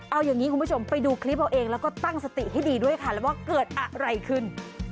เอาอย่างนี้คุณผู้ชมไปดูคลิปเอาเองแล้วก็ตั้งสติให้ดีด้วยค่ะแล้วว่าเกิดอะไรขึ้น